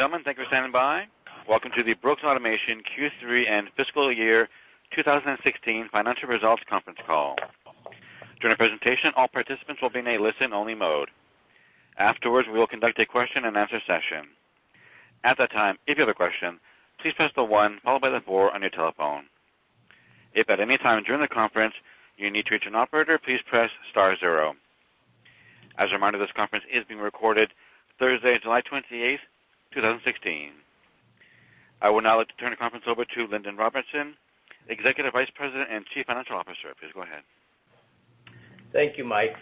Ladies and gentlemen, thank you for standing by. Welcome to the Brooks Automation Q3 and fiscal year 2016 financial results conference call. During the presentation, all participants will be in a listen-only mode. Afterwards, we will conduct a question-and-answer session. At that time, if you have a question, please press the one followed by the four on your telephone. If at any time during the conference you need to reach an operator, please press star zero. As a reminder, this conference is being recorded Thursday, July 28th, 2016. I will now like to turn the conference over to Lindon Robertson, Executive Vice President and Chief Financial Officer. Please go ahead. Thank you, Mike.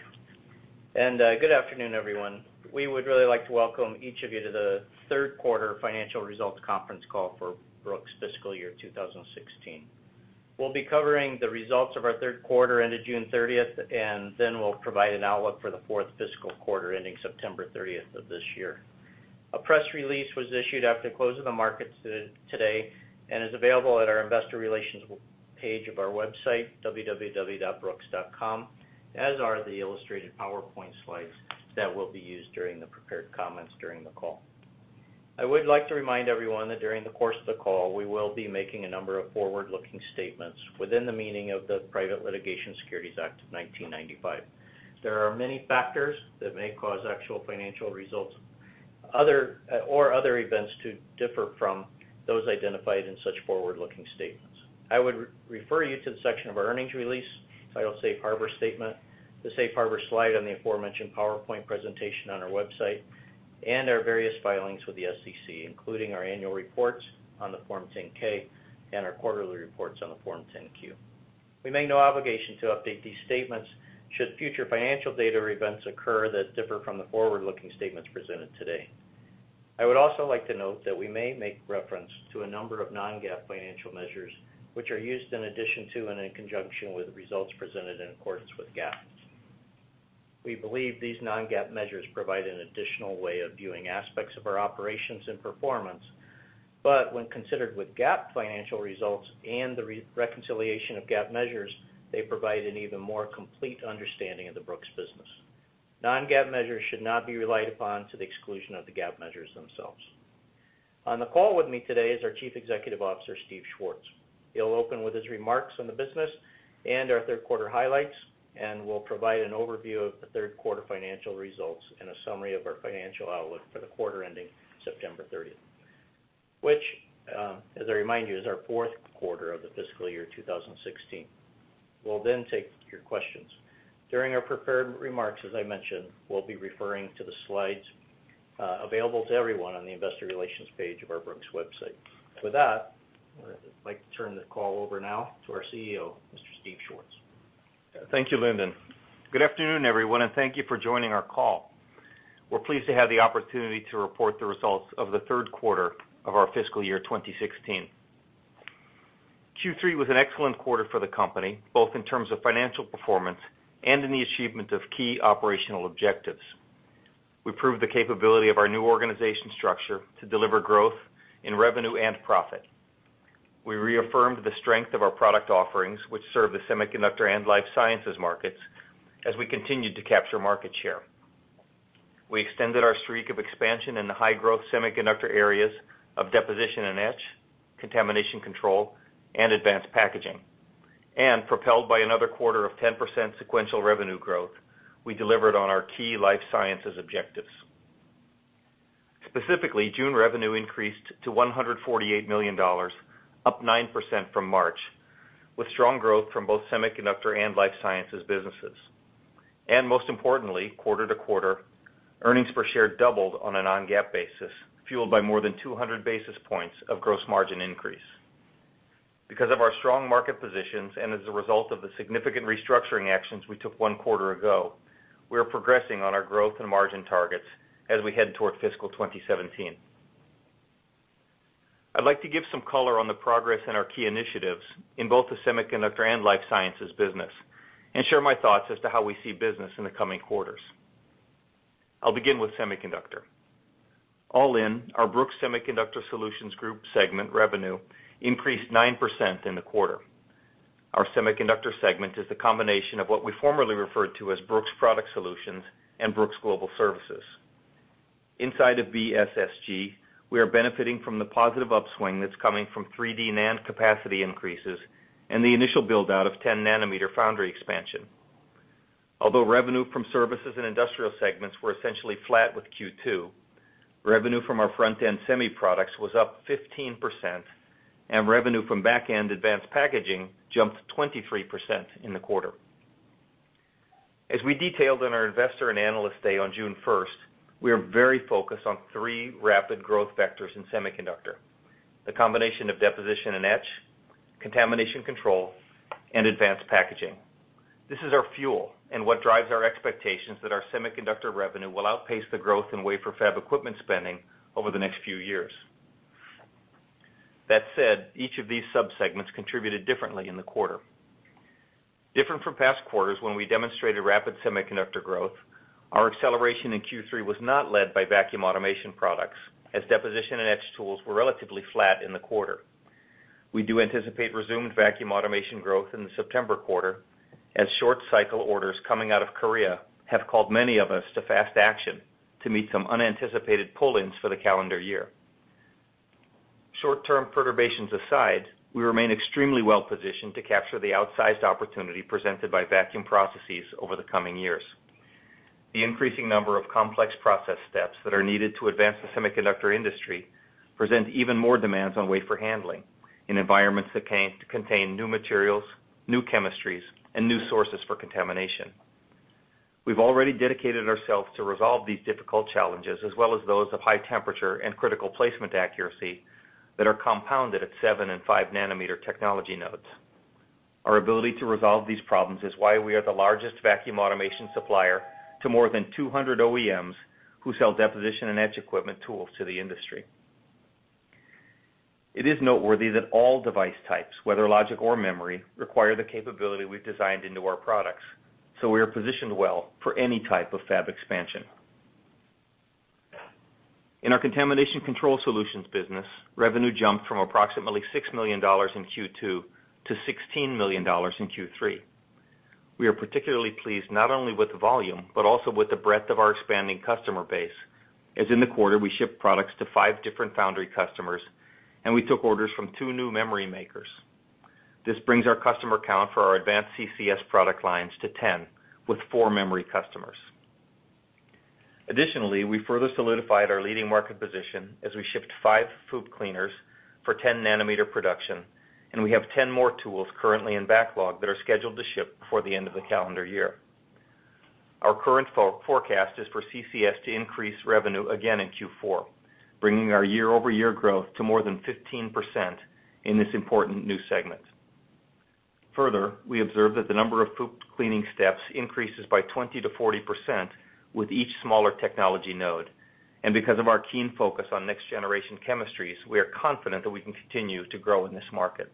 Good afternoon, everyone. We would really like to welcome each of you to the third quarter financial results conference call for Brooks fiscal year 2016. We'll be covering the results of our third quarter ended June 30th. We'll provide an outlook for the fourth fiscal quarter ending September 30th of this year. A press release was issued after the close of the markets today. Is available at our investor relations page of our website, www.brooks.com, as are the illustrated PowerPoint slides that will be used during the prepared comments during the call. I would like to remind everyone that during the course of the call, we will be making a number of forward-looking statements within the meaning of the Private Securities Litigation Reform Act of 1995. There are many factors that may cause actual financial results or other events to differ from those identified in such forward-looking statements. I would refer you to the section of our earnings release, titled Safe Harbor Statement, the Safe Harbor slide on the aforementioned PowerPoint presentation on our website, and our various filings with the SEC, including our annual reports on the Form 10-K and our quarterly reports on the Form 10-Q. We make no obligation to update these statements should future financial data or events occur that differ from the forward-looking statements presented today. I would also like to note that we may make reference to a number of non-GAAP financial measures, which are used in addition to and in conjunction with the results presented in accordance with GAAP. We believe these non-GAAP measures provide an additional way of viewing aspects of our operations and performance. When considered with GAAP financial results and the reconciliation of GAAP measures, they provide an even more complete understanding of the Brooks business. Non-GAAP measures should not be relied upon to the exclusion of the GAAP measures themselves. On the call with me today is our Chief Executive Officer, Steve Schwartz. He'll open with his remarks on the business and our third quarter highlights. Will provide an overview of the third quarter financial results and a summary of our financial outlook for the quarter ending September 30th, which, as I remind you, is our fourth quarter of the fiscal year 2016. We'll then take your questions. During our prepared remarks, as I mentioned, we'll be referring to the slides available to everyone on the investor relations page of our Brooks website. With that, I'd like to turn the call over now to our CEO, Mr. Steve Schwartz. Thank you, Lindon. Good afternoon, everyone, and thank you for joining our call. We're pleased to have the opportunity to report the results of the third quarter of our fiscal year 2016. Q3 was an excellent quarter for the company, both in terms of financial performance and in the achievement of key operational objectives. We proved the capability of our new organization structure to deliver growth in revenue and profit. We reaffirmed the strength of our product offerings, which serve the semiconductor and life sciences markets, as we continued to capture market share. We extended our streak of expansion in the high-growth semiconductor areas of deposition and etch, contamination control, and advanced packaging. Propelled by another quarter of 10% sequential revenue growth, we delivered on our key life sciences objectives. Specifically, June revenue increased to $148 million, up 9% from March, with strong growth from both semiconductor and life sciences businesses. Most importantly, quarter to quarter, earnings per share doubled on a non-GAAP basis, fueled by more than 200 basis points of gross margin increase. Because of our strong market positions, and as a result of the significant restructuring actions we took one quarter ago, we are progressing on our growth and margin targets as we head toward fiscal 2017. I'd like to give some color on the progress in our key initiatives in both the semiconductor and life sciences business and share my thoughts as to how we see business in the coming quarters. I'll begin with semiconductor. All in, our Brooks Semiconductor Solutions Group segment revenue increased 9% in the quarter. Our semiconductor segment is the combination of what we formerly referred to as Brooks Product Solutions and Brooks Global Services. Inside of BSSG, we are benefiting from the positive upswing that's coming from 3D NAND capacity increases and the initial build-out of 10 nanometer foundry expansion. Although revenue from services and industrial segments were essentially flat with Q2, revenue from our front-end semi products was up 15%. Revenue from back-end advanced packaging jumped 23% in the quarter. As we detailed on our investor and analyst day on June 1st, we are very focused on three rapid growth vectors in semiconductor, the combination of deposition and etch, contamination control, and advanced packaging. This is our fuel and what drives our expectations that our semiconductor revenue will outpace the growth in wafer fab equipment spending over the next few years. That said, each of these sub-segments contributed differently in the quarter. Different from past quarters when we demonstrated rapid semiconductor growth, our acceleration in Q3 was not led by vacuum automation products as deposition and etch tools were relatively flat in the quarter. We do anticipate resumed vacuum automation growth in the September quarter, as short cycle orders coming out of Korea have called many of us to fast action to meet some unanticipated pull-ins for the calendar year. Short-term perturbations aside, we remain extremely well-positioned to capture the outsized opportunity presented by vacuum processes over the coming years. The increasing number of complex process steps that are needed to advance the semiconductor industry present even more demands on wafer handling in environments that contain new materials, new chemistries, and new sources for contamination. We've already dedicated ourselves to resolve these difficult challenges, as well as those of high temperature and critical placement accuracy that are compounded at 7 and 5 nanometer technology nodes. Our ability to resolve these problems is why we are the largest vacuum automation supplier to more than 200 OEMs who sell deposition and etch equipment tools to the industry. It is noteworthy that all device types, whether logic or memory, require the capability we've designed into our products, so we are positioned well for any type of fab expansion. In our Contamination Control Solutions business, revenue jumped from approximately $6 million in Q2 to $16 million in Q3. We are particularly pleased not only with the volume, but also with the breadth of our expanding customer base, as in the quarter, we shipped products to five different foundry customers, and we took orders from two new memory makers. This brings our customer count for our advanced CCS product lines to 10, with four memory customers. Additionally, we further solidified our leading market position as we shipped five FOUP cleaners for 10 nanometer production, and we have 10 more tools currently in backlog that are scheduled to ship before the end of the calendar year. Our current forecast is for CCS to increase revenue again in Q4, bringing our year-over-year growth to more than 15% in this important new segment. Further, we observed that the number of FOUP cleaning steps increases by 20%-40% with each smaller technology node, and because of our keen focus on next generation chemistries, we are confident that we can continue to grow in this market.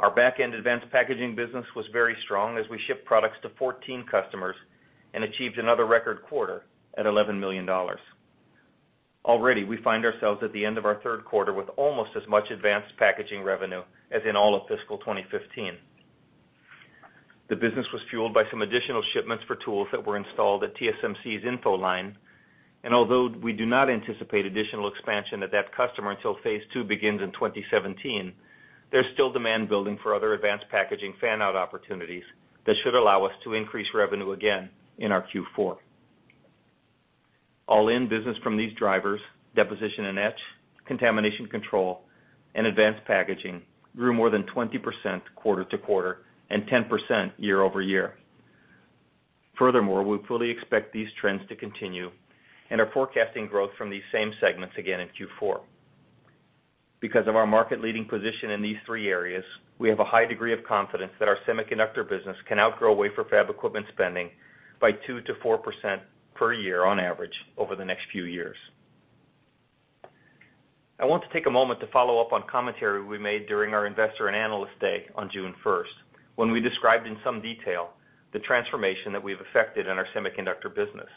Our backend advanced packaging business was very strong as we shipped products to 14 customers and achieved another record quarter at $11 million. Already, we find ourselves at the end of our third quarter with almost as much advanced packaging revenue as in all of fiscal 2015. The business was fueled by some additional shipments for tools that were installed at TSMC's InFO line, and although we do not anticipate additional expansion at that customer until phase 2 begins in 2017, there's still demand building for other advanced packaging fan-out opportunities that should allow us to increase revenue again in our Q4. All in business from these drivers, deposition and etch, Contamination Control, and advanced packaging grew more than 20% quarter-to-quarter and 10% year-over-year. Furthermore, we fully expect these trends to continue and are forecasting growth from these same segments again in Q4. Because of our market leading position in these three areas, we have a high degree of confidence that our semiconductor business can outgrow wafer fab equipment spending by 2% to 4% per year on average over the next few years. I want to take a moment to follow up on commentary we made during our Investor and Analyst Day on June 1st, when we described in some detail the transformation that we've affected in our semiconductor business.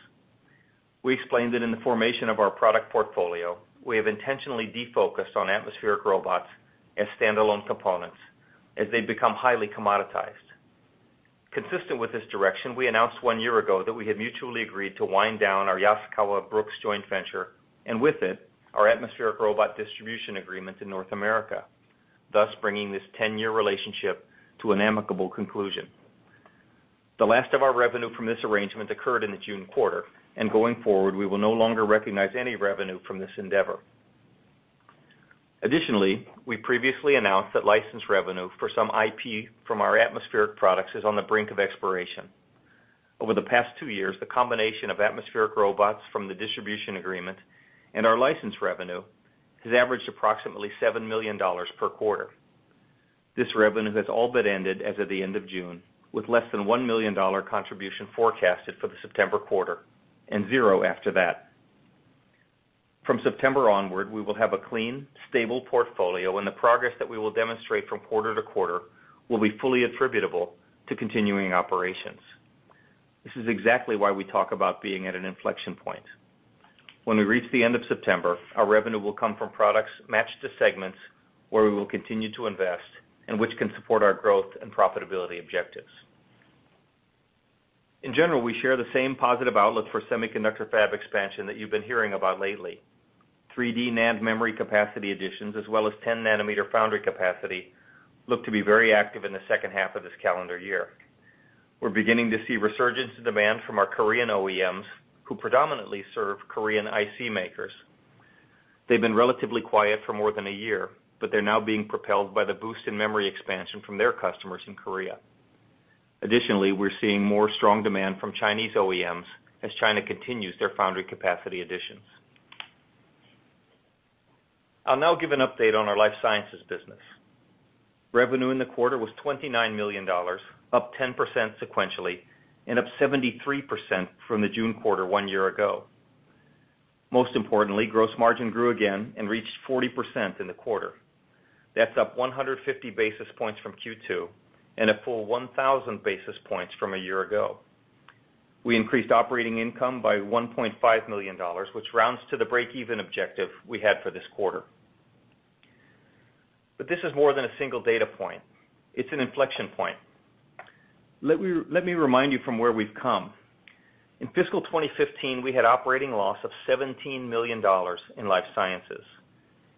We explained that in the formation of our product portfolio, we have intentionally defocused on atmospheric robots as standalone components as they become highly commoditized. Consistent with this direction, we announced one year ago that we had mutually agreed to wind down our Yaskawa Brooks joint venture, and with it, our atmospheric robot distribution agreement in North America, thus bringing this 10-year relationship to an amicable conclusion. The last of our revenue from this arrangement occurred in the June quarter. Going forward, we will no longer recognize any revenue from this endeavor. Additionally, we previously announced that license revenue for some IP from our atmospheric products is on the brink of expiration. Over the past two years, the combination of atmospheric robots from the distribution agreement and our license revenue has averaged approximately $7 million per quarter. This revenue has all but ended as of the end of June, with less than $1 million contribution forecasted for the September quarter, and zero after that. From September onward, we will have a clean, stable portfolio, and the progress that we will demonstrate from quarter to quarter will be fully attributable to continuing operations. This is exactly why we talk about being at an inflection point. When we reach the end of September, our revenue will come from products matched to segments where we will continue to invest and which can support our growth and profitability objectives. In general, we share the same positive outlook for semiconductor fab expansion that you've been hearing about lately. 3D NAND memory capacity additions as well as 10 nanometer foundry capacity look to be very active in the second half of this calendar year. We're beginning to see resurgence in demand from our Korean OEMs, who predominantly serve Korean IC makers. They've been relatively quiet for more than a year, but they're now being propelled by the boost in memory expansion from their customers in Korea. Additionally, we're seeing more strong demand from Chinese OEMs as China continues their foundry capacity additions. I'll now give an update on our life sciences business. Revenue in the quarter was $29 million, up 10% sequentially and up 73% from the June quarter one year ago. Most importantly, gross margin grew again and reached 40% in the quarter. That's up 150 basis points from Q2 and a full 1,000 basis points from a year ago. We increased operating income by $1.5 million, which rounds to the break-even objective we had for this quarter. This is more than a single data point. It's an inflection point. Let me remind you from where we've come. In fiscal 2015, we had operating loss of $17 million in life sciences.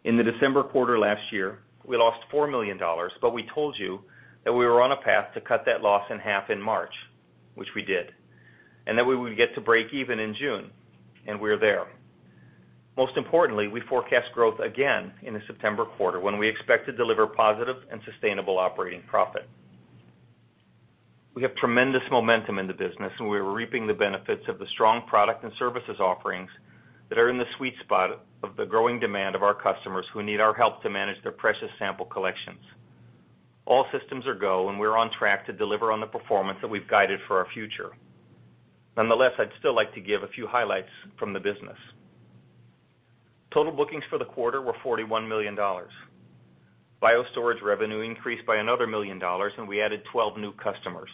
In the December quarter last year, we lost $4 million. We told you that we were on a path to cut that loss in half in March, which we did, and that we would get to break even in June. We're there. Most importantly, we forecast growth again in the September quarter, when we expect to deliver positive and sustainable operating profit. We have tremendous momentum in the business. We are reaping the benefits of the strong product and services offerings that are in the sweet spot of the growing demand of our customers who need our help to manage their precious sample collections. All systems are go. We're on track to deliver on the performance that we've guided for our future. Nonetheless, I'd still like to give a few highlights from the business. Total bookings for the quarter were $41 million. BioStorage revenue increased by another million dollars. We added 12 new customers.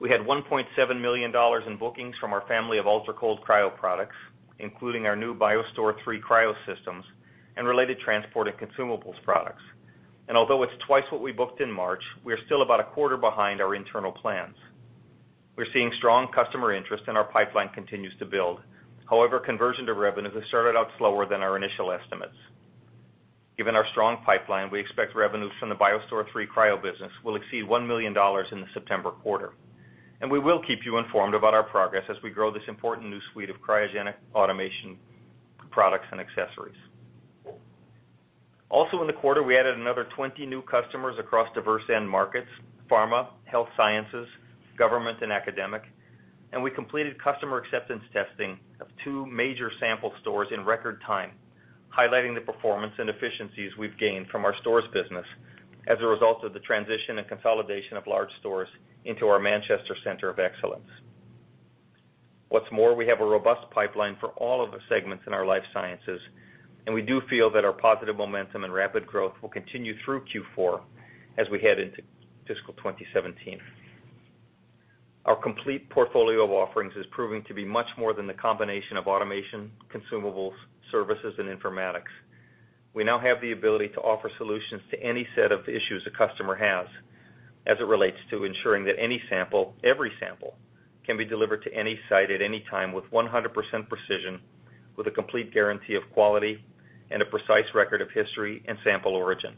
We had $1.7 million in bookings from our family of UltraCold cryo products, including our new BioStore III Cryo systems and related transport and consumables products. Although it's twice what we booked in March, we are still about a quarter behind our internal plans. We're seeing strong customer interest. Our pipeline continues to build. However, conversion to revenues has started out slower than our initial estimates. Given our strong pipeline, we expect revenues from the BioStore III Cryo business will exceed $1 million in the September quarter. We will keep you informed about our progress as we grow this important new suite of cryogenic automation products and accessories. Also in the quarter, we added another 20 new customers across diverse end markets, pharma, health sciences, government, and academic. We completed customer acceptance testing of two major sample stores in record time, highlighting the performance and efficiencies we've gained from our stores business as a result of the transition and consolidation of large stores into our Manchester Center of Excellence. What's more, we have a robust pipeline for all of the segments in our life sciences, and we do feel that our positive momentum and rapid growth will continue through Q4 as we head into fiscal 2017. Our complete portfolio of offerings is proving to be much more than the combination of automation, consumables, services, and informatics. We now have the ability to offer solutions to any set of issues a customer has as it relates to ensuring that any sample, every sample, can be delivered to any site at any time with 100% precision, with a complete guarantee of quality, and a precise record of history and sample origin.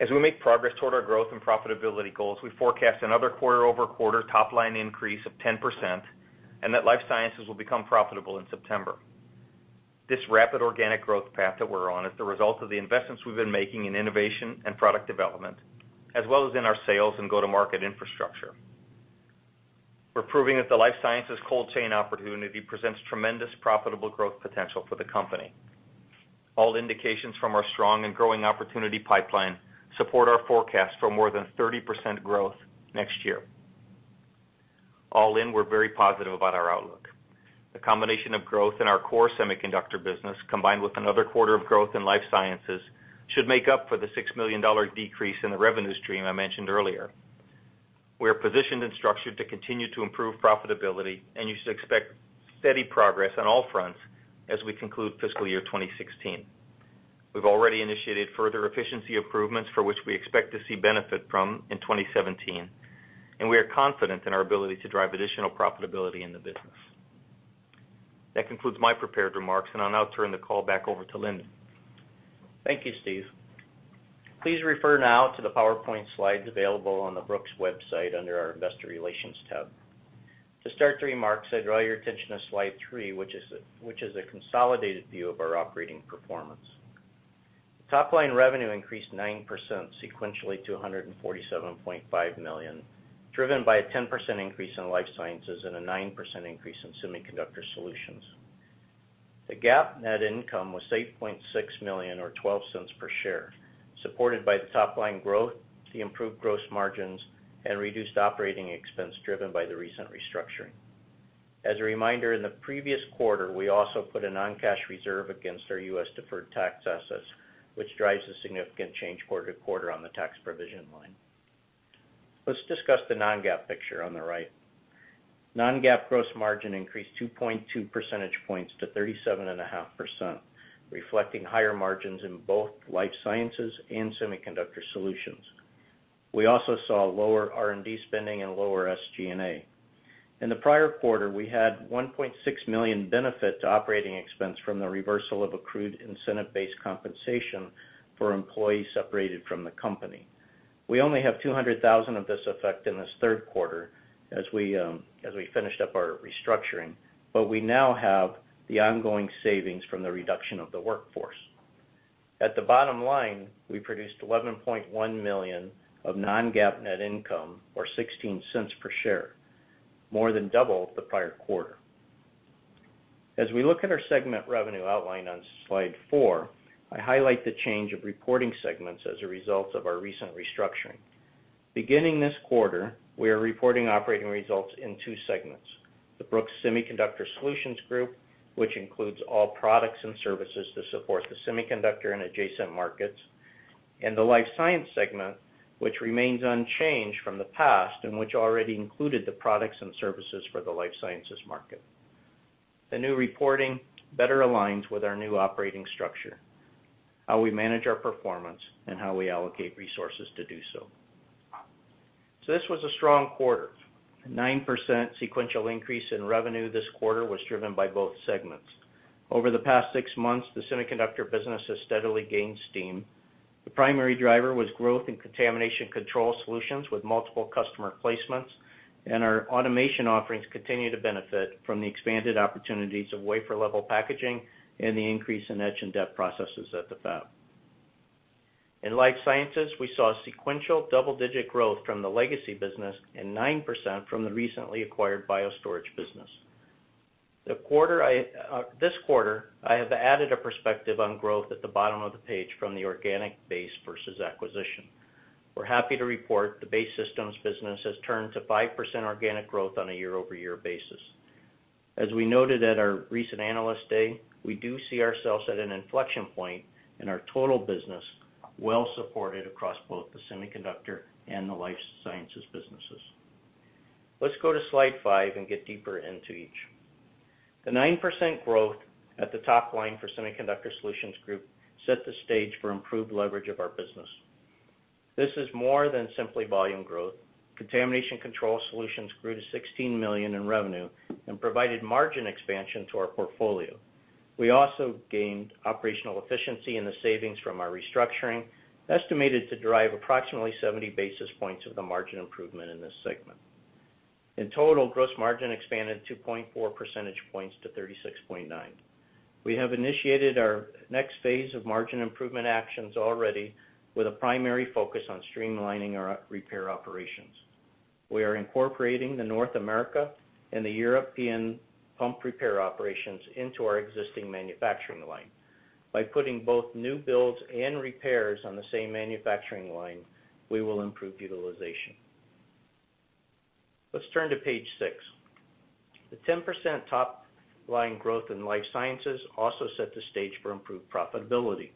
As we make progress toward our growth and profitability goals, we forecast another quarter-over-quarter top-line increase of 10%, and that life sciences will become profitable in September. This rapid organic growth path that we're on is the result of the investments we've been making in innovation and product development, as well as in our sales and go-to-market infrastructure. We're proving that the life sciences cold chain opportunity presents tremendous profitable growth potential for the company. All indications from our strong and growing opportunity pipeline support our forecast for more than 30% growth next year. All in, we're very positive about our outlook. The combination of growth in our core semiconductor business, combined with another quarter of growth in life sciences, should make up for the $6 million decrease in the revenue stream I mentioned earlier. We are positioned and structured to continue to improve profitability, and you should expect steady progress on all fronts as we conclude fiscal year 2016. We've already initiated further efficiency improvements for which we expect to see benefit from in 2017. We are confident in our ability to drive additional profitability in the business. That concludes my prepared remarks. I'll now turn the call back over to Lindon. Thank you, Steve. Please refer now to the PowerPoint slides available on the Brooks website under our investor relations tab. To start the remarks, I draw your attention to slide three, which is a consolidated view of our operating performance. Top-line revenue increased 9% sequentially to $147.5 million, driven by a 10% increase in life sciences and a 9% increase in semiconductor solutions. The GAAP net income was $8.6 million, or $0.12 per share, supported by the top-line growth, the improved gross margins, and reduced operating expense driven by the recent restructuring. As a reminder, in the previous quarter, we also put a non-cash reserve against our U.S. deferred tax assets, which drives a significant change quarter-to-quarter on the tax provision line. Let's discuss the non-GAAP picture on the right. Non-GAAP gross margin increased 2.2 percentage points to 37.5%, reflecting higher margins in both life sciences and semiconductor solutions. We also saw lower R&D spending and lower SG&A. In the prior quarter, we had $1.6 million benefit to operating expense from the reversal of accrued incentive-based compensation for employees separated from the company. We only have $200,000 of this effect in this third quarter, as we finished up our restructuring. We now have the ongoing savings from the reduction of the workforce. At the bottom line, we produced $11.1 million of non-GAAP net income, or $0.16 per share, more than double the prior quarter. As we look at our segment revenue outline on slide four, I highlight the change of reporting segments as a result of our recent restructuring. Beginning this quarter, we are reporting operating results in two segments, the Brooks Semiconductor Solutions Group, which includes all products and services to support the semiconductor and adjacent markets. The life science segment, which remains unchanged from the past, and which already included the products and services for the life sciences market. The new reporting better aligns with our new operating structure, how we manage our performance, and how we allocate resources to do so. This was a strong quarter. A 9% sequential increase in revenue this quarter was driven by both segments. Over the past six months, the semiconductor business has steadily gained steam. The primary driver was growth in Contamination Control Solutions with multiple customer placements, and our automation offerings continue to benefit from the expanded opportunities of wafer level packaging and the increase in etch and dep processes at the fab. In life sciences, we saw sequential double-digit growth from the legacy business and 9% from the recently acquired BioStorage business. This quarter, I have added a perspective on growth at the bottom of the page from the organic base versus acquisition. We're happy to report the base systems business has turned to 5% organic growth on a year-over-year basis. As we noted at our recent Analyst Day, we do see ourselves at an inflection point in our total business, well supported across both the semiconductor and the life sciences businesses. Let's go to slide five and get deeper into each. The 9% growth at the top line for Semiconductor Solutions Group set the stage for improved leverage of our business. This is more than simply volume growth. Contamination Control Solutions grew to $16 million in revenue and provided margin expansion to our portfolio. We also gained operational efficiency in the savings from our restructuring, estimated to drive approximately 70 basis points of the margin improvement in this segment. In total, gross margin expanded 2.4 percentage points to 36.9%. We have initiated our next phase of margin improvement actions already, with a primary focus on streamlining our repair operations. We are incorporating the North America and the European pump repair operations into our existing manufacturing line. By putting both new builds and repairs on the same manufacturing line, we will improve utilization. Let's turn to page six. The 10% top-line growth in life sciences also set the stage for improved profitability.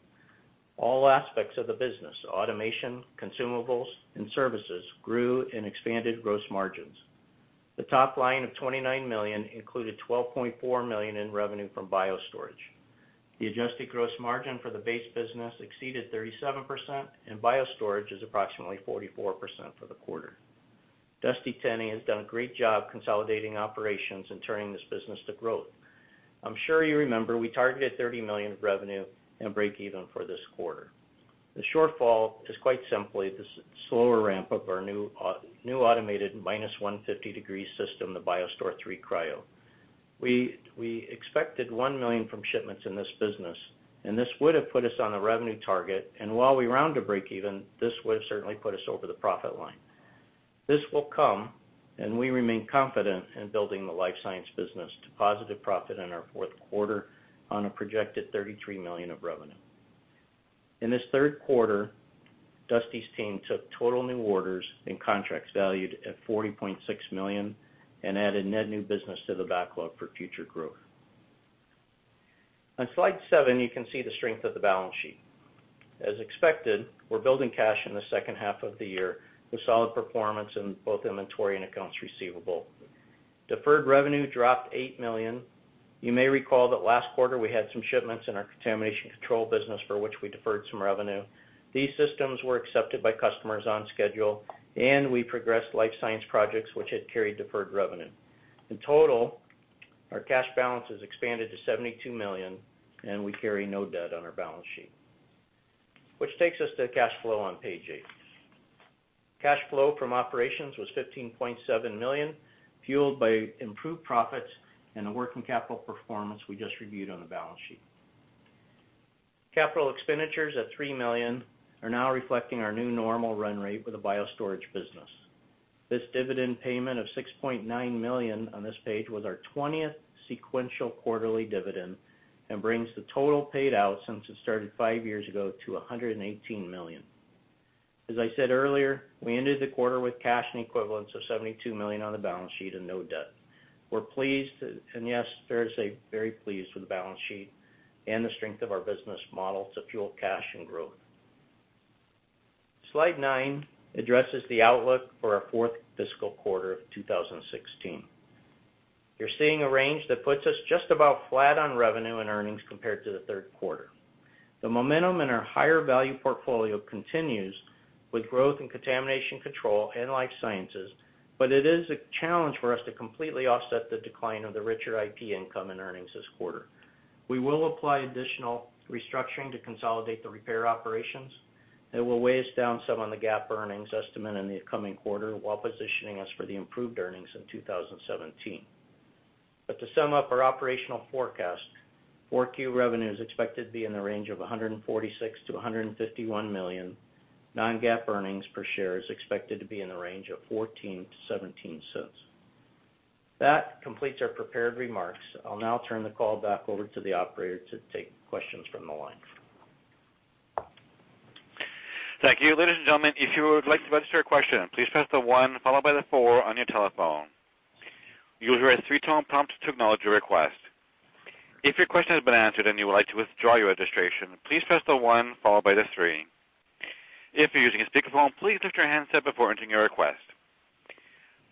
All aspects of the business, automation, consumables, and services, grew in expanded gross margins. The top line of $29 million included $12.4 million in revenue from BioStorage. The adjusted gross margin for the base business exceeded 37%, and BioStorage is approximately 44% for the quarter. Dusty Tenney has done a great job consolidating operations and turning this business to growth. I'm sure you remember, we targeted $30 million of revenue and breakeven for this quarter. The shortfall is quite simply the slower ramp of our new automated -150 degree system, the BioStore III Cryo. We expected $1 million from shipments in this business, and this would've put us on a revenue target, and while we round to breakeven, this would've certainly put us over the profit line. This will come, and we remain confident in building the life science business to positive profit in our fourth quarter on a projected $33 million of revenue. In this third quarter, Dusty's team took total new orders and contracts valued at $40.6 million and added net new business to the backlog for future growth. On slide seven, you can see the strength of the balance sheet. As expected, we're building cash in the second half of the year with solid performance in both inventory and accounts receivable. Deferred revenue dropped $8 million. You may recall that last quarter we had some shipments in our Contamination Control business for which we deferred some revenue. These systems were accepted by customers on schedule, and we progressed life science projects which had carried deferred revenue. In total, our cash balance has expanded to $72 million, and we carry no debt on our balance sheet. Which takes us to cash flow on page eight. Cash flow from operations was $15.7 million, fueled by improved profits and the working capital performance we just reviewed on the balance sheet. Capital expenditures at $3 million are now reflecting our new normal run rate with the BioStorage business. This dividend payment of $6.9 million on this page was our 20th sequential quarterly dividend and brings the total paid out since it started five years ago to $118 million. As I said earlier, we ended the quarter with cash and equivalents of $72 million on the balance sheet and no debt. We're pleased, and yes, fair to say, very pleased with the balance sheet and the strength of our business model to fuel cash and growth. Slide nine addresses the outlook for our fourth fiscal quarter of 2016. You're seeing a range that puts us just about flat on revenue and earnings compared to the third quarter. The momentum in our higher value portfolio continues with growth in contamination control and life sciences, it is a challenge for us to completely offset the decline of the richer IP income and earnings this quarter. We will apply additional restructuring to consolidate the repair operations. That will weigh us down some on the GAAP earnings estimate in the coming quarter, while positioning us for the improved earnings in 2017. To sum up our operational forecast, 4Q revenue is expected to be in the range of $146 million-$151 million. Non-GAAP earnings per share is expected to be in the range of $0.14-$0.17. That completes our prepared remarks. I'll now turn the call back over to the operator to take questions from the line. Thank you. Ladies and gentlemen, if you would like to register a question, please press the one followed by the four on your telephone. You will hear a three-tone pump to acknowledge your request. If your question has been answered and you would like to withdraw your registration, please press the one followed by the three. If you're using a speakerphone, please lift your handset before entering your request.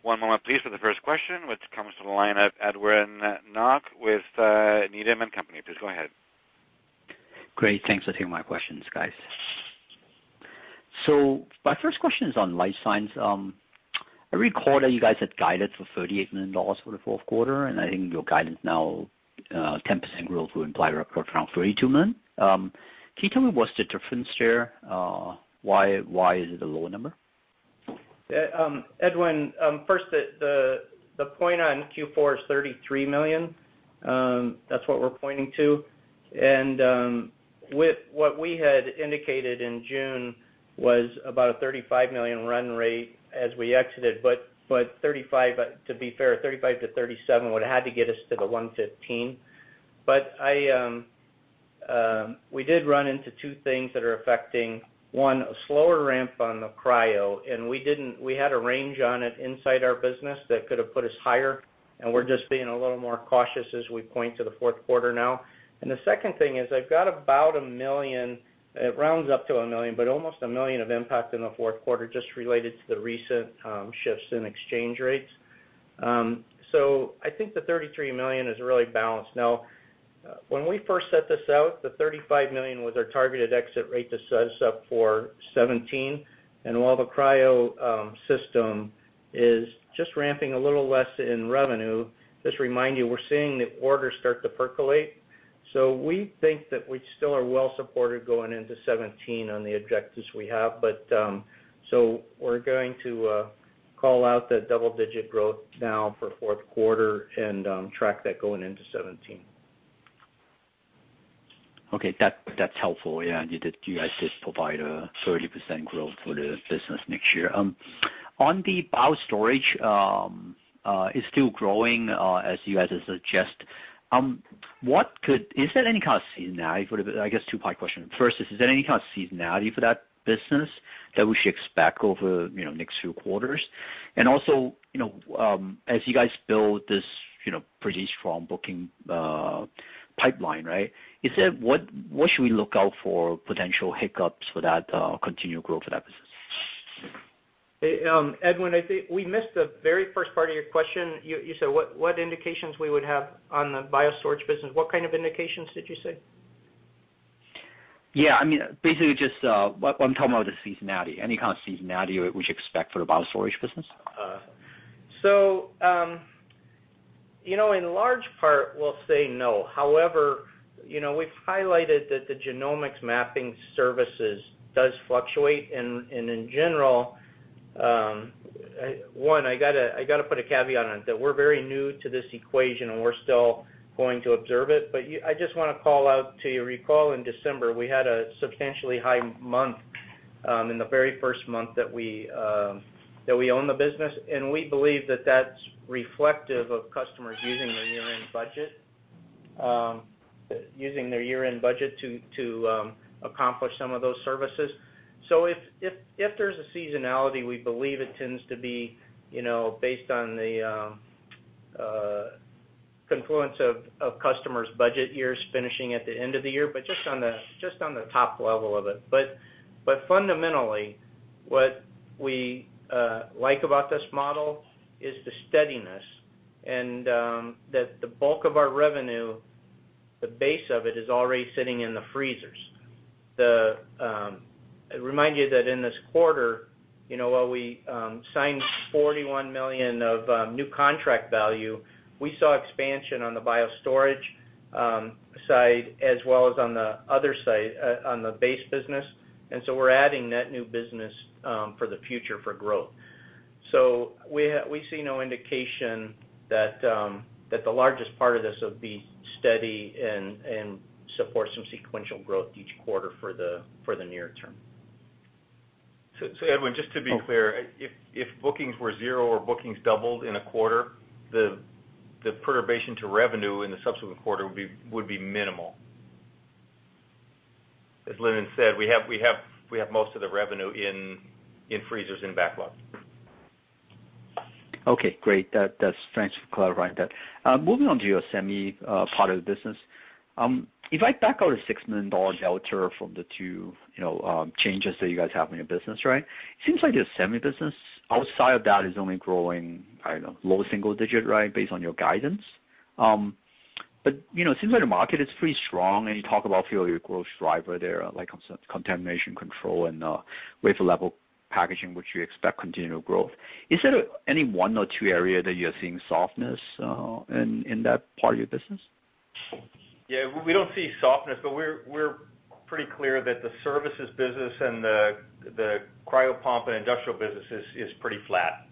One moment please for the first question, which comes to the line of Edwin Mok with Needham & Company. Please go ahead. Great. Thanks. Let's hear my questions, guys. My first question is on life science. I recall that you guys had guided for $38 million for the fourth quarter, and I think your guidance now, 10% growth would imply around $32 million. Can you tell me what's the difference there? Why is it a lower number? Edwin, first, the point on Q4 is $33 million. That's what we're pointing to. What we had indicated in June was about a $35 million run rate as we exited, but to be fair, $35 million-$37 million would had to get us to the $115 million. We did run into two things that are affecting, one, a slower ramp on the cryo, and we had a range on it inside our business that could have put us higher, and we're just being a little more cautious as we point to the fourth quarter now. The second thing is I've got about $1 million, it rounds up to $1 million, but almost $1 million of impact in the fourth quarter just related to the recent shifts in exchange rates. I think the $33 million is really balanced. Now, when we first set this out, the $35 million was our targeted exit rate to set us up for 2017. While the cryo system is just ramping a little less in revenue, just remind you, we're seeing the orders start to percolate. We think that we still are well supported going into 2017 on the objectives we have. We're going to call out that double-digit growth now for fourth quarter and track that going into 2017. Okay. That's helpful. Yeah. You guys did provide a 30% growth for the business next year. On the BioStorage, is still growing, as you guys have suggest. Is there any kind of seasonality for the I guess two-part question. First is there any kind of seasonality for that business that we should expect over next few quarters? Also, as you guys build this pretty strong booking pipeline, right? What should we look out for potential hiccups for that continued growth for that business? Edwin, I think we missed the very first part of your question. You said what indications we would have on the BioStorage business. What kind of indications did you say? I mean, basically, what I'm talking about is the seasonality, any kind of seasonality we should expect for the BioStorage business. In large part, we'll say no. However, we've highlighted that the genomics mapping services does fluctuate. In general, I got to put a caveat on it that we're very new to this equation, and we're still going to observe it. I just want to call out to you. Recall in December, we had a substantially high month, in the very first month that we own the business. We believe that that's reflective of customers using their year-end budget to accomplish some of those services. If there's a seasonality, we believe it tends to be based on the confluence of customers' budget years finishing at the end of the year, but just on the top level of it. Fundamentally, what we like about this model is the steadiness and that the bulk of our revenue, the base of it is already sitting in the freezers. Remind you that in this quarter, while we signed $41 million of new contract value, we saw expansion on the BioStorage side as well as on the other side, on the base business. We're adding net new business for the future for growth. We see no indication that the largest part of this will be steady and support some sequential growth each quarter for the near term. Edwin, just to be clear, if bookings were zero or bookings doubled in a quarter, the perturbation to revenue in the subsequent quarter would be minimal. As Lindon said, we have most of the revenue in freezers in backlog. Okay, great. Thanks for clarifying that. Moving on to your Semi part of the business. If I back out a $6 million delta from the two changes that you guys have in your business, right? It seems like your Semi business outside of that is only growing, I don't know, low single digit, right? Based on your guidance. It seems like the market is pretty strong, and you talk about few of your growth drivers there, like Contamination Control and wafer level packaging, which you expect continued growth. Is there any one or two areas that you're seeing softness in that part of your business? Yeah. We don't see softness, we're pretty clear that the services business and the cryo pump and industrial business is pretty flat.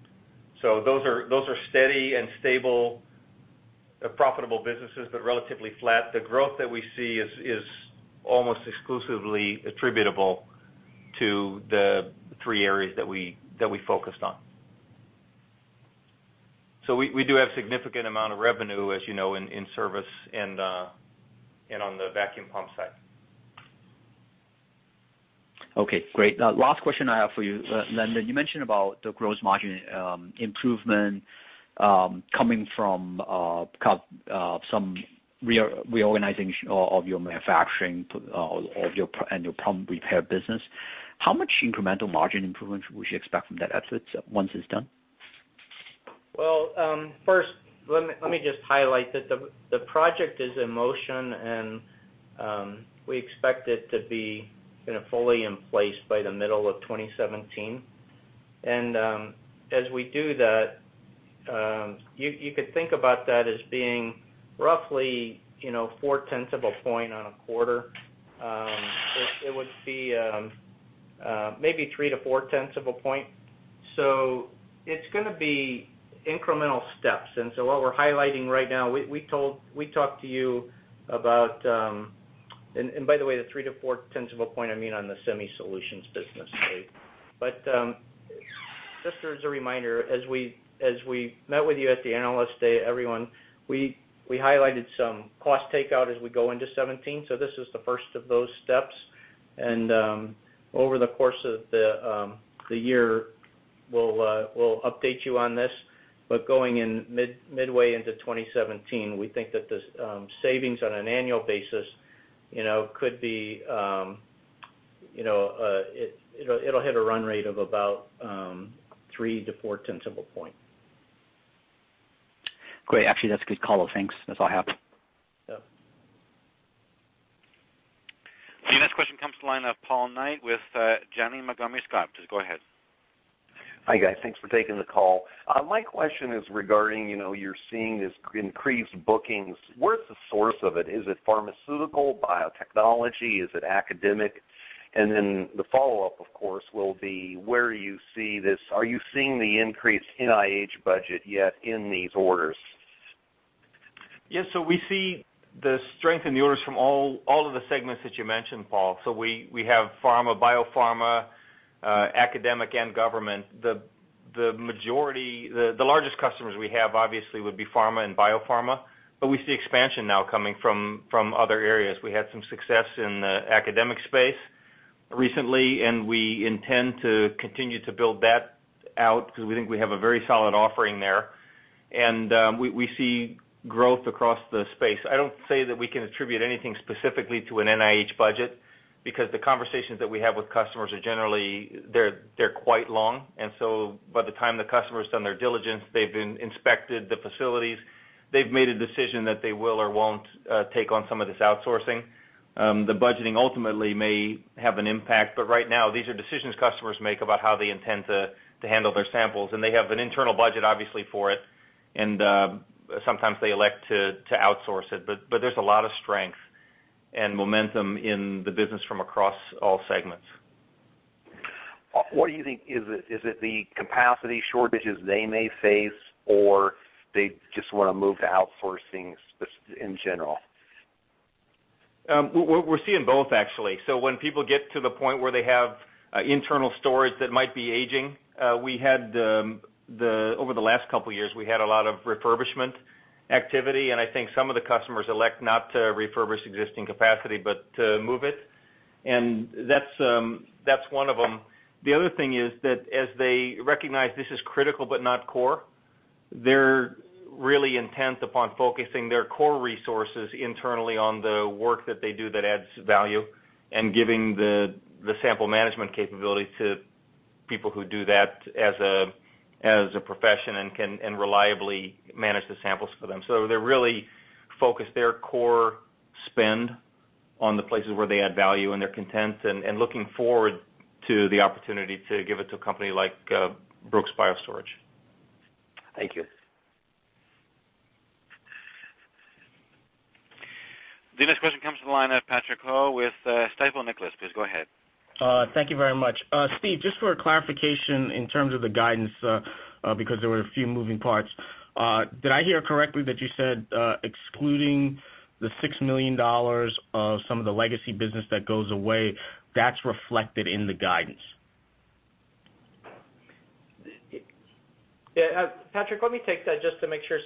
Those are steady and stable profitable businesses, but relatively flat. The growth that we see is almost exclusively attributable to the three areas that we focused on. We do have significant amount of revenue, as you know, in service and on the vacuum pump side. Okay, great. Last question I have for you, Lindon. You mentioned about the gross margin improvement coming from some reorganization of your manufacturing and your pump repair business. How much incremental margin improvement should we expect from that effort once it's done? First, let me just highlight that the project is in motion, and we expect it to be fully in place by the middle of 2017. As we do that, you could think about that as being roughly four-tenths of a point on a quarter. It would be maybe three to four-tenths of a point. It's going to be incremental steps. What we're highlighting right now, we talked to you about, and by the way, the three to four-tenths of a point, I mean on the Semi Solutions business, Steve. Just as a reminder, as we met with you at the Analyst Day, everyone, we highlighted some cost takeout as we go into 2017. This is the first of those steps. Over the course of the year, we'll update you on this. Going midway into 2017, we think that the savings on an annual basis, it will hit a run rate of about three to four-tenths of a point. Great. Actually, that's a good call. Thanks. That's all I have. Yeah. The next question comes to the line of Paul Knight with Janney Montgomery Scott. Please go ahead. Hi, guys. Thanks for taking the call. My question is regarding, you're seeing this increased bookings. Where's the source of it? Is it pharmaceutical, biotechnology? Is it academic? The follow-up, of course, will be where you see this. Are you seeing the increased NIH budget yet in these orders? Yes. We see the strength in the orders from all of the segments that you mentioned, Paul. We have pharma, biopharma, academic, and government. The largest customers we have obviously would be pharma and biopharma, but we see expansion now coming from other areas. We had some success in the academic space recently, and we intend to continue to build that out because we think we have a very solid offering there. We see growth across the space. I don't say that we can attribute anything specifically to an NIH budget, because the conversations that we have with customers, generally, they're quite long. By the time the customer's done their diligence, they've inspected the facilities, they've made a decision that they will or won't take on some of this outsourcing. The budgeting ultimately may have an impact, but right now, these are decisions customers make about how they intend to handle their samples. They have an internal budget, obviously, for it, and sometimes they elect to outsource it. There's a lot of strength and momentum in the business from across all segments. What do you think, is it the capacity shortages they may face, or they just want to move to outsourcing just in general? We're seeing both, actually. When people get to the point where they have internal storage that might be aging, over the last couple of years, we had a lot of refurbishment activity, and I think some of the customers elect not to refurbish existing capacity, but to move it. That's one of them. The other thing is that as they recognize this is critical but not core, they're really intent upon focusing their core resources internally on the work that they do that adds value and giving the sample management capability to people who do that as a profession and reliably manage the samples for them. They really focus their core spend on the places where they add value and they're content and looking forward to the opportunity to give it to a company like Brooks BioStorage. Thank you. The next question comes to the line of Patrick Ho with Stifel Nicolaus. Please go ahead. Thank you very much. Steve, just for clarification in terms of the guidance, because there were a few moving parts. Did I hear correctly that you said, excluding the $6 million of some of the legacy business that goes away, that's reflected in the guidance? Patrick, let me take that just to make sure.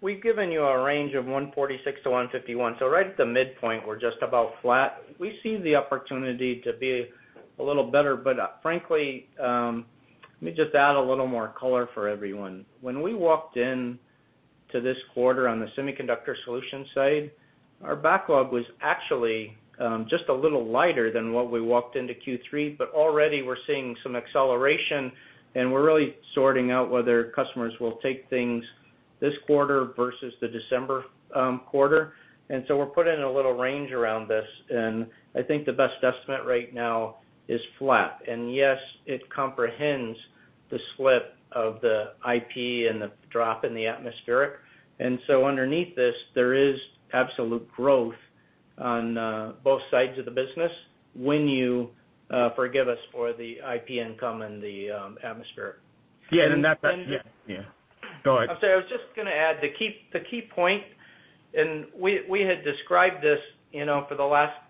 We've given you a range of $146 to $151. Right at the midpoint, we're just about flat. We see the opportunity to be a little better, but frankly, let me just add a little more color for everyone. When we walked into this quarter on the Semiconductor Solutions side, our backlog was actually just a little lighter than what we walked into Q3, but already we're seeing some acceleration, and we're really sorting out whether customers will take things this quarter versus the December quarter. We're putting a little range around this, and I think the best estimate right now is flat. Yes, it comprehends the slip of the IP and the drop in the atmospheric. underneath this, there is absolute growth on both sides of the business when you forgive us for the IP income and the atmospheric. Yeah. And then- Yeah. Go ahead. I'm sorry. I was just going to add, the key point. We had described this for the last,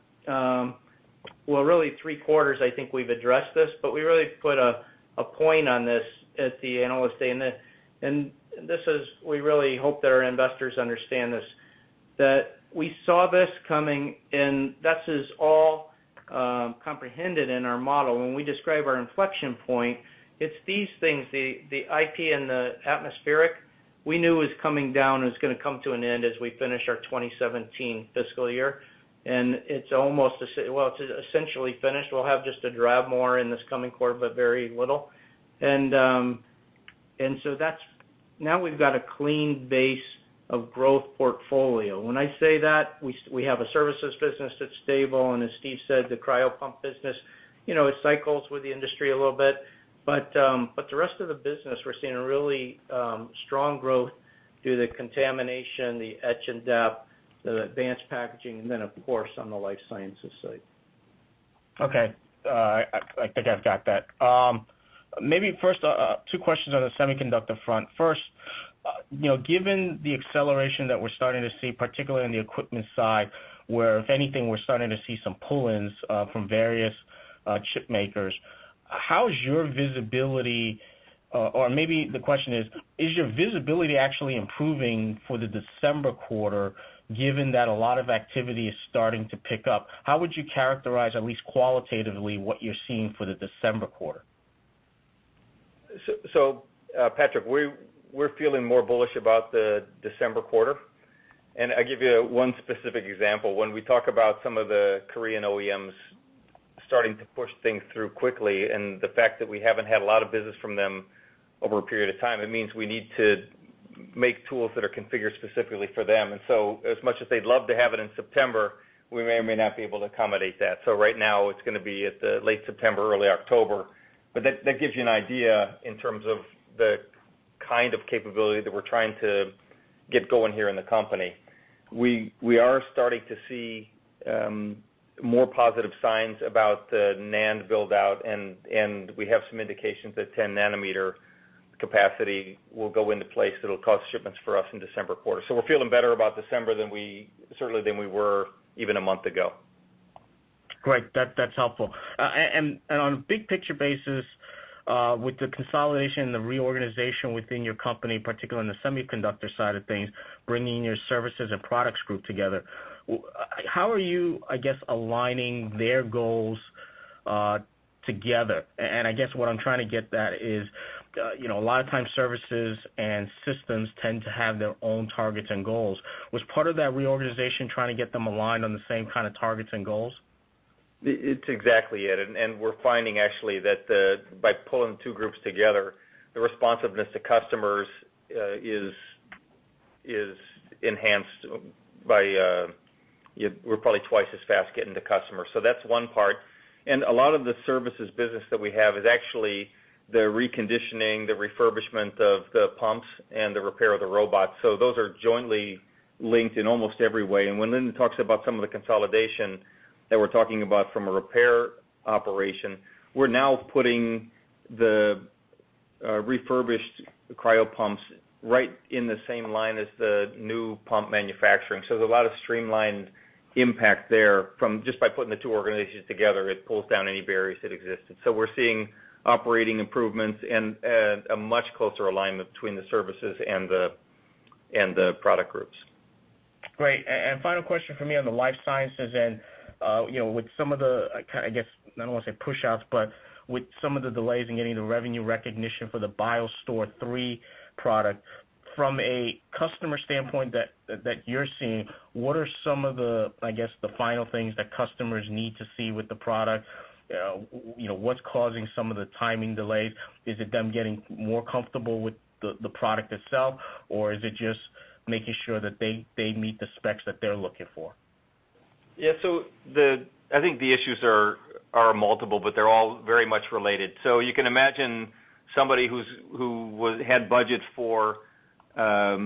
well, really three quarters, I think we've addressed this. We really put a point on this at the Analyst Day, and we really hope that our investors understand this. We saw this coming. This is all comprehended in our model. When we describe our inflection point, it's these things, the IP and the atmospheric, we knew was coming down. It was going to come to an end as we finish our 2017 fiscal year. It's essentially finished. We'll have just a drab more in this coming quarter, very little. We've got a clean base of growth portfolio. When I say that, we have a services business that's stable. As Steve said, the cryo pump business, it cycles with the industry a little bit. The rest of the business, we're seeing a really strong growth due to the contamination, the etch and dep, the advanced packaging, and then, of course, on the life sciences side. Okay. I think I've got that. Maybe first, two questions on the semiconductor front. First, given the acceleration that we're starting to see, particularly on the equipment side, where if anything, we're starting to see some pull-ins from various chip makers, how is your visibility, or maybe the question is your visibility actually improving for the December quarter, given that a lot of activity is starting to pick up? How would you characterize, at least qualitatively, what you're seeing for the December quarter? Patrick, we're feeling more bullish about the December quarter. I give you one specific example. When we talk about some of the Korean OEMs starting to push things through quickly. The fact that we haven't had a lot of business from them over a period of time, it means we need to make tools that are configured specifically for them. As much as they'd love to have it in September, we may or may not be able to accommodate that. Right now, it's going to be at the late September, early October. That gives you an idea in terms of the kind of capability that we're trying to get going here in the company. We are starting to see more positive signs about the NAND build-out, and we have some indications that 10 nanometer capacity will go into place that'll cause shipments for us in December quarter. We're feeling better about December, certainly than we were even a month ago. Great. That's helpful. On a big picture basis, with the consolidation, the reorganization within your company, particularly on the semiconductor side of things, bringing your services and products group together, how are you, I guess, aligning their goals together? I guess what I'm trying to get at is, a lot of times services and systems tend to have their own targets and goals. Was part of that reorganization trying to get them aligned on the same kind of targets and goals? It's exactly it. We're finding actually that by pulling two groups together, the responsiveness to customers is enhanced by, we're probably twice as fast getting to customers. That's one part. A lot of the services business that we have is actually the reconditioning, the refurbishment of the pumps, and the repair of the robots. Those are jointly linked in almost every way. When Lindon talks about some of the consolidation that we're talking about from a repair operation, we're now putting the refurbished cryo pumps right in the same line as the new pump manufacturing. There's a lot of streamlined impact there from just by putting the two organizations together, it pulls down any barriers that existed. We're seeing operating improvements and a much closer alignment between the services and the product groups. Great. Final question from me on the life sciences and, with some of the, I guess, I don't want to say push outs, but with some of the delays in getting the revenue recognition for the BioStore III product, from a customer standpoint that you're seeing, what are some of the, I guess, the final things that customers need to see with the product? What's causing some of the timing delays? Is it them getting more comfortable with the product itself, or is it just making sure that they meet the specs that they're looking for? I think the issues are multiple, they're all very much related. You can imagine somebody who had budget for a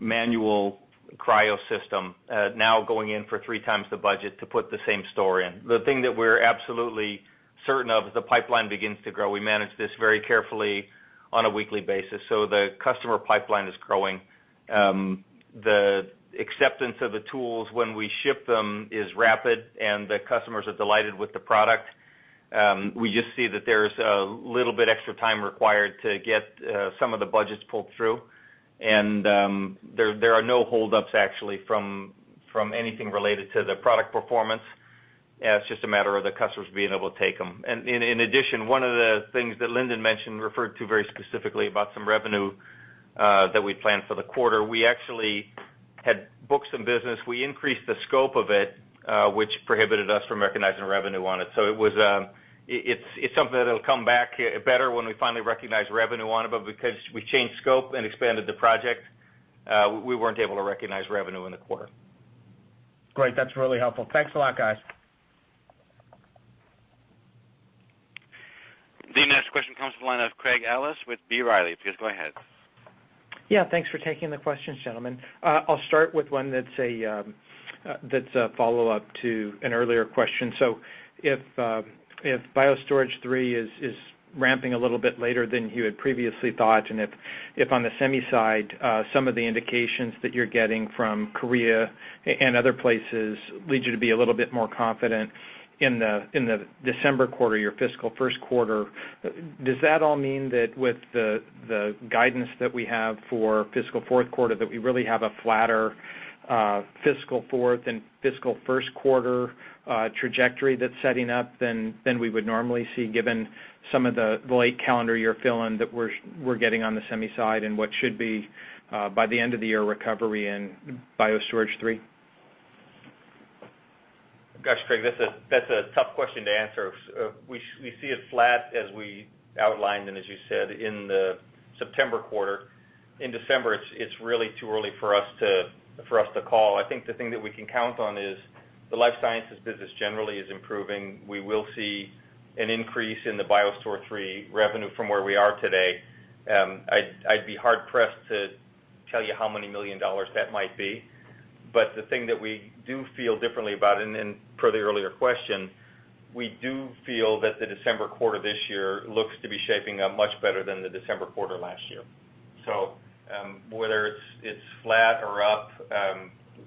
manual cryo system now going in for 3 times the budget to put the same store in. The thing that we're absolutely certain of is the pipeline begins to grow. We manage this very carefully on a weekly basis. The customer pipeline is growing. The acceptance of the tools when we ship them is rapid, the customers are delighted with the product. We just see that there's a little bit extra time required to get some of the budgets pulled through, there are no holdups actually from anything related to the product performance. It's just a matter of the customers being able to take them. In addition, one of the things that Lindon mentioned, referred to very specifically about some revenue that we planned for the quarter, we actually had booked some business. We increased the scope of it, which prohibited us from recognizing revenue on it. It's something that'll come back better when we finally recognize revenue on it, because we changed scope and expanded the project, we weren't able to recognize revenue in the quarter. Great. That's really helpful. Thanks a lot, guys. The next question comes from the line of Craig Ellis with B. Riley. Please go ahead. Yeah. Thanks for taking the questions, gentlemen. I'll start with one that's a follow-up to an earlier question. If BioStore III is ramping a little bit later than you had previously thought, and if on the semi side, some of the indications that you're getting from Korea and other places lead you to be a little bit more confident in the December quarter, your fiscal first quarter, does that all mean that with the guidance that we have for fiscal fourth quarter, that we really have a flatter fiscal fourth and fiscal first quarter trajectory that's setting up than we would normally see, given some of the late calendar year fill-in that we're getting on the semi side, and what should be, by the end of the year, recovery in BioStore III? Gosh, Craig, that's a tough question to answer. We see it flat, as we outlined, and as you said, in the September quarter. In December, it's really too early for us to call. I think the thing that we can count on is the life sciences business generally is improving. We will see an increase in the BioStore III revenue from where we are today. I'd be hard-pressed to tell you how many million dollars that might be. The thing that we do feel differently about, and per the earlier question, we do feel that the December quarter this year looks to be shaping up much better than the December quarter last year. Whether it's flat or up,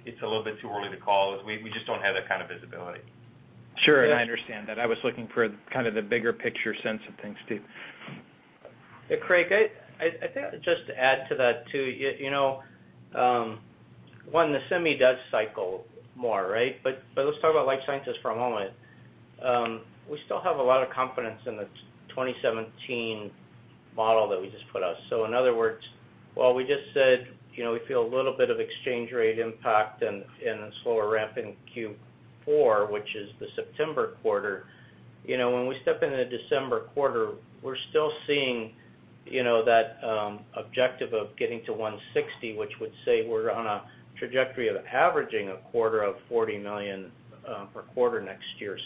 it's a little bit too early to call, as we just don't have that kind of visibility. Sure. I understand that. I was looking for kind of the bigger picture sense of things, too. Craig, I think just to add to that, too. One, the semi does cycle more. Let's talk about life sciences for a moment. We still have a lot of confidence in the 2017 model that we just put out. In other words, while we just said we feel a little bit of exchange rate impact and a slower ramp in Q4, which is the September quarter, when we step into the December quarter, we're still seeing that objective of getting to $160 million, which would say we're on a trajectory of averaging a quarter of $40 million per quarter next year.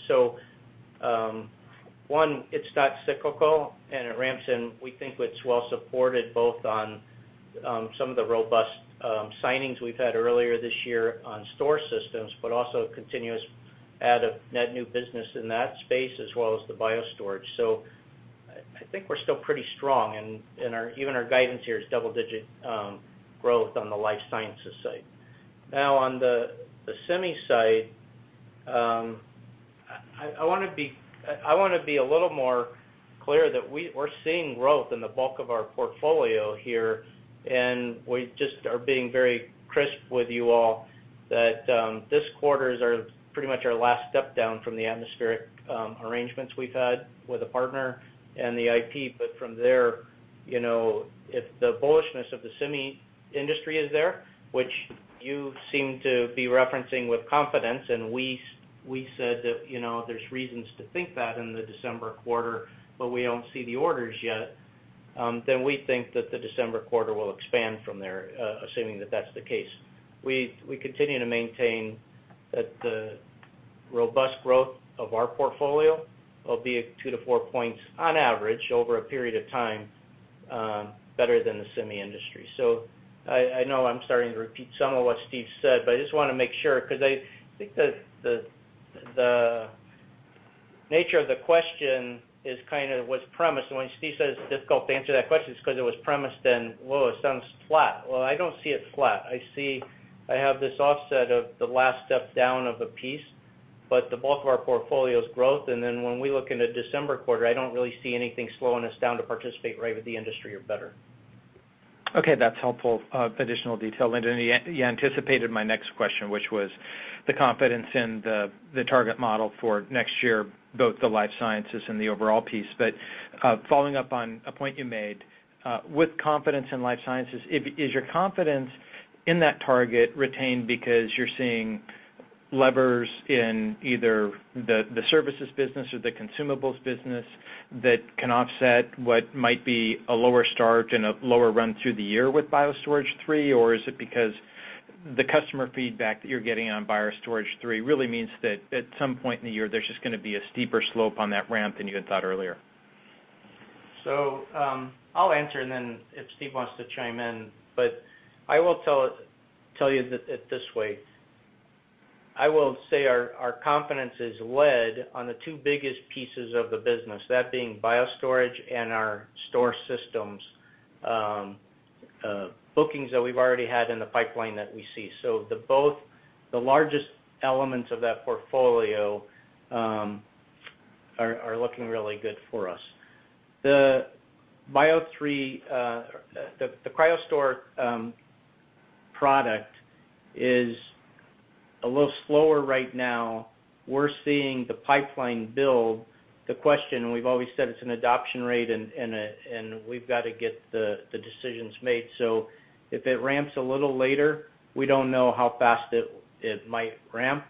One, it's not cyclical, and it ramps, and we think it's well supported both on some of the robust signings we've had earlier this year on store systems, but also continuous net new business in that space, as well as the BioStore. I think we're still pretty strong, and even our guidance here is double-digit growth on the life sciences side. On the semi side, I want to be a little more clear that we're seeing growth in the bulk of our portfolio here, and we just are being very crisp with you all that this quarter is pretty much our last step down from the atmospheric arrangements we've had with a partner and the IP. From there, if the bullishness of the semi industry is there, which you seem to be referencing with confidence, and we said that there's reasons to think that in the December quarter, but we don't see the orders yet, then we think that the December quarter will expand from there, assuming that that's the case. We continue to maintain that the robust growth of our portfolio will be at 2 to 4 points on average over a period of time, better than the semi industry. I know I'm starting to repeat some of what Steve said, but I just want to make sure, because I think the nature of the question was premised, and when Steve says it's difficult to answer that question, it's because it was premised in, "Well, it sounds flat." Well, I don't see it flat. I have this offset of the last step down of a piece, but the bulk of our portfolio is growth. When we look into December quarter, I don't really see anything slowing us down to participate right with the industry or better. Okay. That's helpful additional detail. You anticipated my next question, which was the confidence in the target model for next year, both the life sciences and the overall piece. Following up on a point you made, with confidence in life sciences, is your confidence in that target retained because you're seeing levers in either the services business or the consumables business that can offset what might be a lower start and a lower run through the year with BioStore III? Is it because the customer feedback that you're getting on BioStore III really means that at some point in the year, there's just going to be a steeper slope on that ramp than you had thought earlier? I'll answer, and then if Steve wants to chime in, but I will tell you it this way. I will say our confidence is led on the two biggest pieces of the business, that being BioStore and our stor systems bookings that we've already had in the pipeline that we see. Both the largest elements of that portfolio are looking really good for us. The CryoStore product is a little slower right now. We're seeing the pipeline build. The question, we've always said it's an adoption rate, and we've got to get the decisions made. If it ramps a little later, we don't know how fast it might ramp.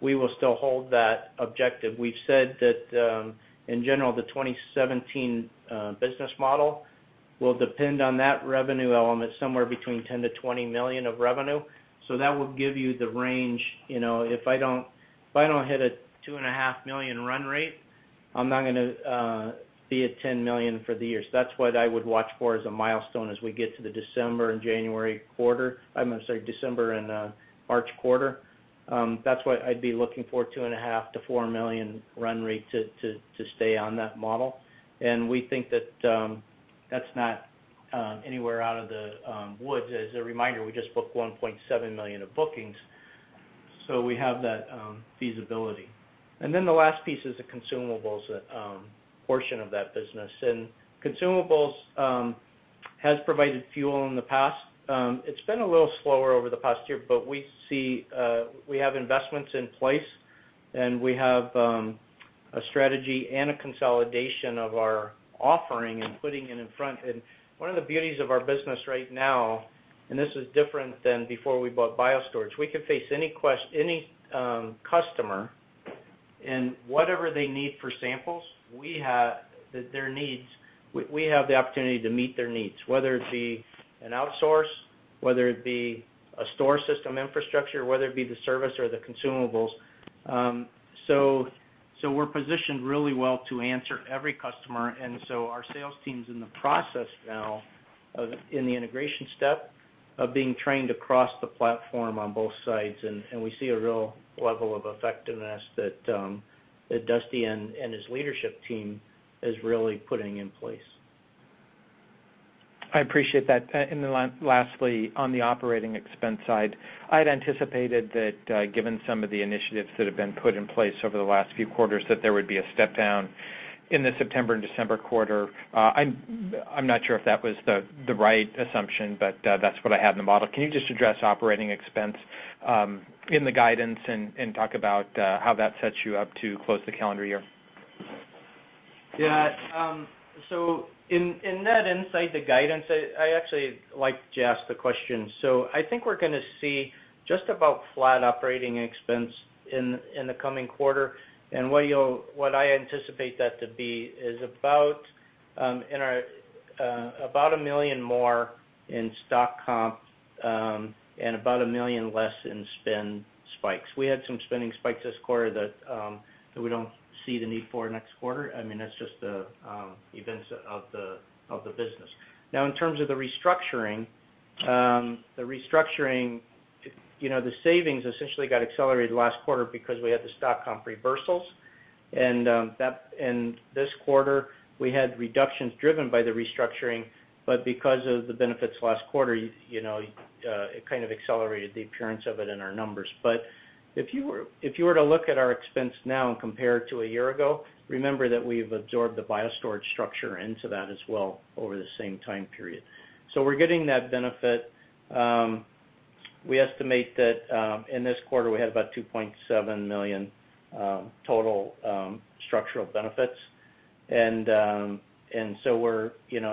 We will still hold that objective. We've said that, in general, the 2017 business model will depend on that revenue element, somewhere between $10 million to $20 million of revenue. That will give you the range. If I don't hit a two and a half million USD run rate, I'm not going to be at $10 million for the year. That's what I would watch for as a milestone as we get to the December and January quarter. I'm going to say December and March quarter. That's why I'd be looking for two and a half million USD to four million USD run rate to stay on that model. We think that that's not anywhere out of the woods. As a reminder, we just booked $1.7 million of bookings. We have that feasibility. The last piece is the consumables portion of that business. Consumables has provided fuel in the past. It's been a little slower over the past year, but we have investments in place, and we have a strategy and a consolidation of our offering and putting it in front. One of the beauties of our business right now, and this is different than before we bought BioStorage, we could face any customer, and whatever they need for samples, we have the opportunity to meet their needs, whether it be an outsource, whether it be a store system infrastructure, whether it be the service or the consumables. We're positioned really well to answer every customer. Our sales team's in the process now of, in the integration step, of being trained across the platform on both sides. We see a real level of effectiveness that Dusty and his leadership team is really putting in place. I appreciate that. Lastly, on the OpEx side, I'd anticipated that, given some of the initiatives that have been put in place over the last few quarters, that there would be a step down in the September and December quarter. I'm not sure if that was the right assumption, but that's what I have in the model. Can you just address OpEx in the guidance and talk about how that sets you up to close the calendar year? In that insight, the guidance, I actually like to ask the question. I think we're going to see just about flat OpEx in the coming quarter. What I anticipate that to be is about $1 million more in stock comp, and about $1 million less in spend spikes. We had some spending spikes this quarter that we don't see the need for next quarter. That's just the events of the business. Now, in terms of the restructuring, the savings essentially got accelerated last quarter because we had the stock comp reversals. This quarter, we had reductions driven by the restructuring, but because of the benefits last quarter, it kind of accelerated the appearance of it in our numbers. If you were to look at our expense now and compare it to a year ago, remember that we've absorbed the BioStorage structure into that as well over the same time period. We're getting that benefit. We estimate that in this quarter, we had about $2.7 million total structural benefits. We're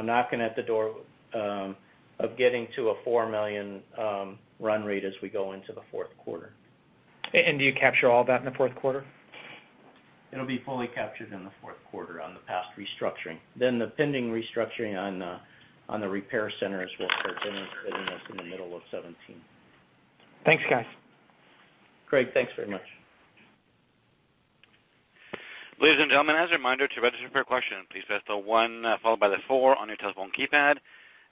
knocking at the door of getting to a $4 million run rate as we go into the fourth quarter. Do you capture all that in the fourth quarter? It'll be fully captured in the fourth quarter on the past restructuring. The pending restructuring on the repair centers will start hitting us in the middle of 2017. Thanks, guys. Craig, thanks very much. Ladies and gentlemen, as a reminder, to register for a question, please press the one followed by the four on your telephone keypad.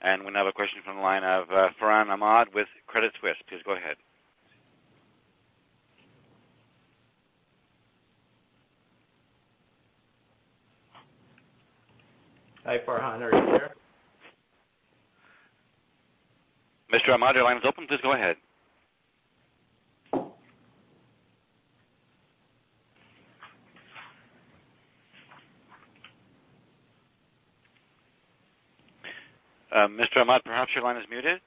We now have a question from the line of Farhan Ahmad with Credit Suisse. Please go ahead. Hi, Farhan. Are you there? Mr. Ahmad, your line is open. Please go ahead. Mr. Ahmad, perhaps your line is muted.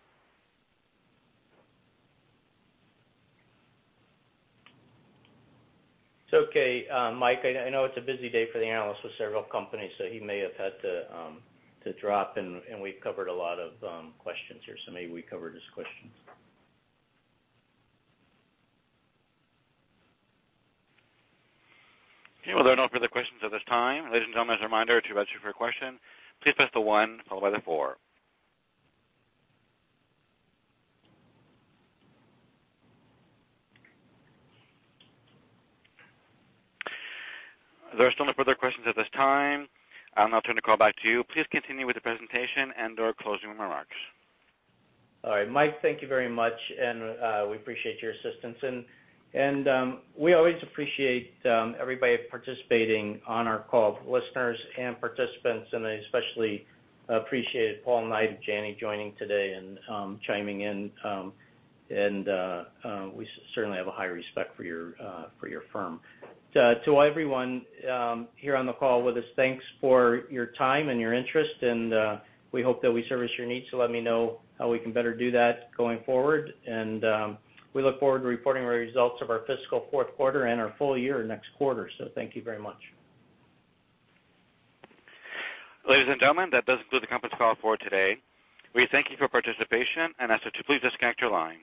It's okay, Mike. I know it's a busy day for the analysts with several companies, so he may have had to drop, and we've covered a lot of questions here, so maybe we covered his questions. Okay. Well, there are no further questions at this time. Ladies and gentlemen, as a reminder, to register for a question, please press the one followed by the four. There are still no further questions at this time. I'll now turn the call back to you. Please continue with the presentation and/or closing remarks. All right. Mike, thank you very much. We appreciate your assistance. We always appreciate everybody participating on our call, listeners and participants, and I especially appreciate Paul Knight of Janney joining today and chiming in. We certainly have a high respect for your firm. To everyone here on the call with us, thanks for your time and your interest, and we hope that we service your needs, so let me know how we can better do that going forward. We look forward to reporting the results of our fiscal fourth quarter and our full year next quarter. Thank you very much. Ladies and gentlemen, that does conclude the conference call for today. We thank you for participation and ask that you please disconnect your line.